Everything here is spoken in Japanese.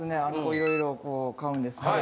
いろいろこう買うんですけれど。